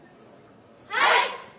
はい！